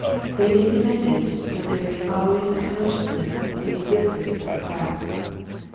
They may be mended but there is always a consciousness of the existence of the crack.